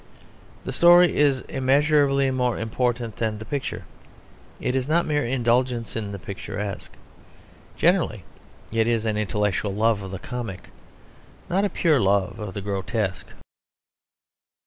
The story is immeasurably more important than the picture; it is not mere indulgence in the picturesque. Generally it is an intellectual love of the comic; not a pure love of the grotesque.